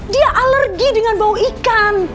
dia alergi dengan bau ikan